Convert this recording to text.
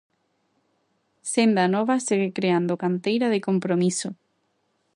Senda Nova segue creando canteira de compromiso.